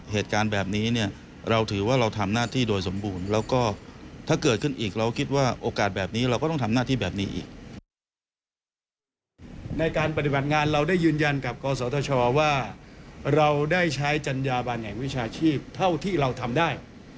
เหตุมันวิชาชีพเท่าที่เราทำได้